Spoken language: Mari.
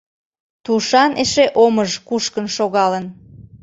тушан эше омыж кушкын шогалын.